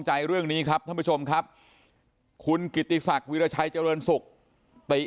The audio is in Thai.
ใจเรื่องนี้ครับท่านผู้ชมครับคุณกิติศักดิ์วิราชัยเจริญสุขติ